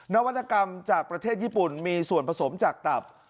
นวัตกรรมจากประเทศญี่ปุ่นมีส่วนผสมจากตับ